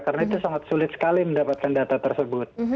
karena itu sangat sulit sekali mendapatkan penyakit